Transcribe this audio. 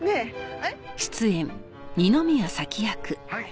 はい。